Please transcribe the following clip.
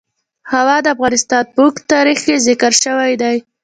هوا د افغانستان په اوږده تاریخ کې ذکر شوی دی.